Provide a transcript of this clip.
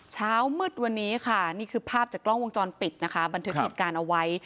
เช้ามืดวันนี้ค่ะนี่คือภาพจากกล้องวงจรปิดนะคะบันทึกเหตุการณ์เอาไว้